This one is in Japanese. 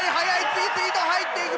次々と入っていく！